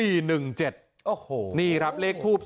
โอ้โหนี่ครับเลขทศิภาพ๔๑๗